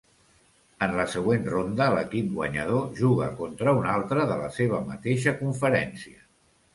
En la següent ronda, l'equip guanyador juga contra un altre de la seva mateixa conferència.